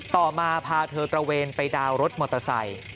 ต่อมาพาเธอตระเวนไปดาวน์รถมอเตอร์ไซค์